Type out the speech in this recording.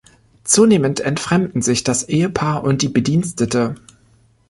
Zunehmend entfremden sich das Ehepaar und die Bedienstete.